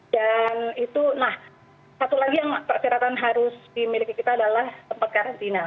dan itu nah satu lagi yang kekejangan harus dimiliki kita adalah tempat karantina